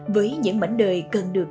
với những mảnh đời cần được